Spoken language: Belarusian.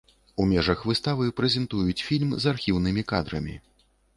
У межах выставы прэзентуюць фільм з архіўнымі кадрамі.